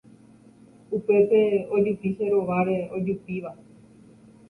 Upépe ojupi che rováre ojupíva